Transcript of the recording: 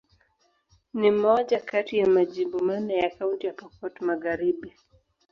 Ni moja kati ya majimbo manne ya Kaunti ya Pokot Magharibi.